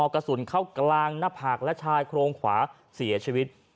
กระสุนเข้ากลางหน้าผากและชายโครงขวาเสียชีวิต